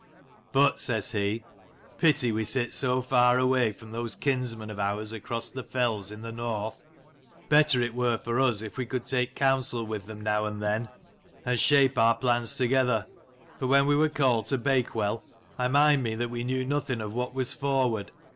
" But," says he, " pity we sit so far away from those kinsmen of ours across the fells in the north : better it were for us if we could take counsel with them now and then, and shape our plans together. For when we were called to Bakewell, I mind me that we knew nothing of what was forward.